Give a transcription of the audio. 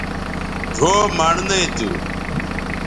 ڙھؤ مڑنئ تھو